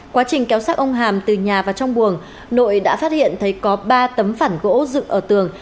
quá trình kéo sát ông hàm từ nhà vào trong buồng nội đã phát hiện thấy có ba tấm phản gỗ dựng ở tường